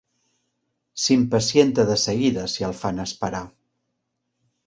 S'impacienta de seguida si el fan esperar.